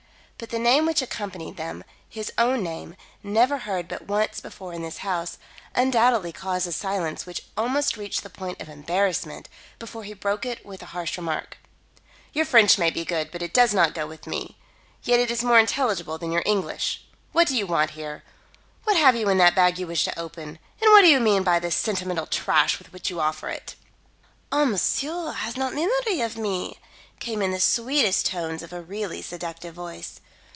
But the name which accompanied them his own name, never heard but once before in this house, undoubtedly caused the silence which almost reached the point of embarrassment, before he broke it with the harsh remark: "Your French may be good, but it does not go with me. Yet is it more intelligible than your English. What do you want here? What have you in that bag you wish to open; and what do you mean by the sentimental trash with which you offer it?" "Ah, monsieur has not memory of me," came in the sweetest tones of a really seductive voice.